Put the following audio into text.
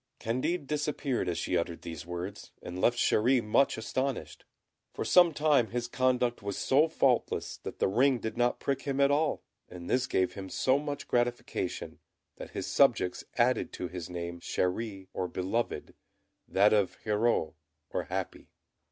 Candid disappeared as she uttered these words, and left Chéri much astonished. For some time his conduct was so faultless that the ring did not prick him at all, and this gave him so much gratification, that his subjects added to his name Chéri, or Beloved, that of Heureux, or Happy.